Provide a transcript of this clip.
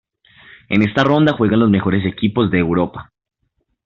En esta ronda juegan los mejores equipos de Europa.